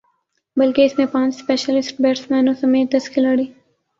بلکہ اس میں پانچ اسپیشلسٹ بیٹسمینوں سمیت دس کھلاڑی